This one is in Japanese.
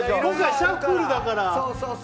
シャッフルだから。